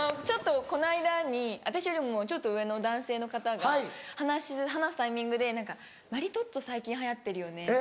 ちょっとこの間に私よりもちょっと上の男性の方が話すタイミングで「マリトッツォ最近流行ってるよね」。